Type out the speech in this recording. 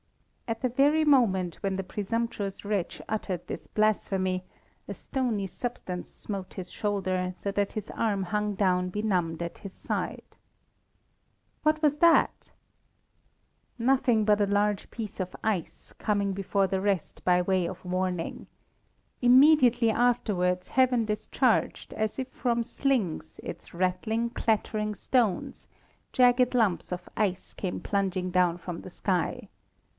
At the very moment when the presumptuous wretch uttered this blasphemy, a stony substance smote his shoulder, so that his arm hung down benumbed at his side. What was that? Nothing but a large piece of ice, coming before the rest by way of warning. Immediately afterwards heaven discharged, as from slings, its rattling, clattering stones, jagged lumps of ice came plunging down from the sky.